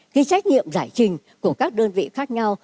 cái trách nhiệm giải trình của các đơn vị khác nhau